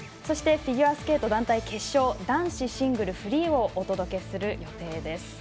そして、フィギュアスケート団体決勝、男子シングルフリーをお届けする予定です。